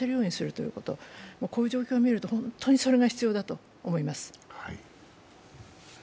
こういう状況を見るとこの状況を見ると本当にそれが必要だと思います。